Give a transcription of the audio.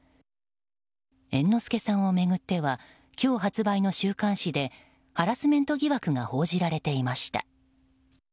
猿之助さんを巡っては今日発売の週刊誌でハラスメント疑惑が報じられていました。